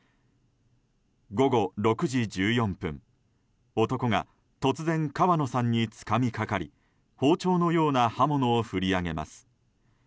午後６時１４分、男が突然川野さんにつかみかかり包丁のような刃物を振り上げます。